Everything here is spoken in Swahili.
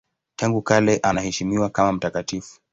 Tangu kale anaheshimiwa kama mtakatifu.